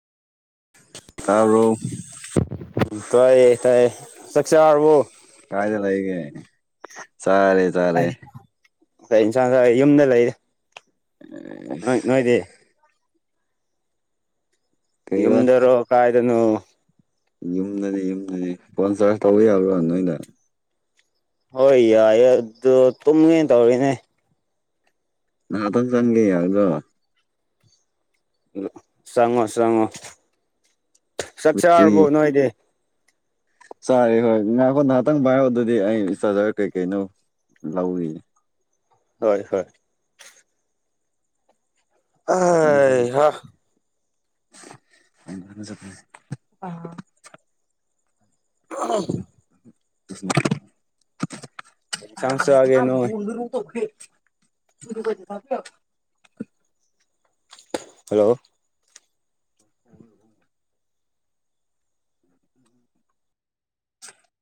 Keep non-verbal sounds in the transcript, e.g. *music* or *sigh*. ꯇꯥꯕꯣꯔ ꯎꯝ ꯇꯥꯏꯌꯦ ꯇꯥꯏꯌꯦ ꯆꯥꯛꯔꯕꯣ ꯀꯔꯥꯏꯗ ꯂꯩꯒꯦ ꯆꯔꯦ ꯆꯔꯦ ꯑ ꯌꯦꯟꯁꯥꯡ ꯑꯩ ꯌꯨꯝꯗ ꯂꯩꯔꯤ ꯅꯣꯏ ꯅꯣꯏꯗꯤ ꯀꯩꯕ ꯌꯝꯗꯔꯣ ꯀꯥꯏꯗꯅꯣ ꯌꯨꯝꯗꯅꯤ ꯌꯨꯝꯗꯅꯤ ꯐꯣꯟ ꯆꯥꯔꯖ ꯇꯧꯕ ꯌꯥꯕ꯭ꯔꯥ ꯅꯣꯏꯗ ꯍꯣꯏ ꯌꯥꯏꯌꯦ ꯑꯗꯨ ꯇꯨꯝꯒꯦꯅ ꯇꯧꯔꯤꯅꯦ ꯅꯍꯥꯛꯇꯪ ꯆꯪꯒꯦ ꯌꯥꯗꯣ ꯆꯪꯉꯣ ꯆꯪꯉꯣ ꯆꯥꯛ ꯕꯦꯇ꯭ꯔꯤ ꯆꯥꯔꯕꯣ ꯅꯣꯏꯗꯤ ꯆꯥꯔꯦ ꯍꯣꯏ ꯉꯈꯣꯟ ꯉꯍꯥꯛꯇꯪ ꯄꯥꯏꯔꯛꯑꯣ ꯑꯗꯨꯗꯤ ꯑꯩ ꯆꯥꯔꯖꯔ ꯀꯩꯀꯩꯅꯣ ꯂꯧꯏ ꯍꯣꯏ ꯍꯣꯏ ꯑꯩ ꯍꯥ *unintelligible* ꯀꯩ ꯏꯟꯁꯥꯡ *inaudible* ꯆꯥꯒꯦ ꯅꯣꯏ *unintelligible* ꯍꯜꯂꯣ *inaudible*